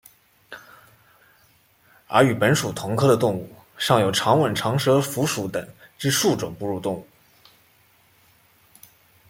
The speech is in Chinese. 而与本属同科的动物尚有长吻长舌蝠属等之数种哺乳动物。